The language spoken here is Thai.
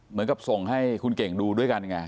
เหมือนกับส่งให้คุณเก่งดูด้วยกันไง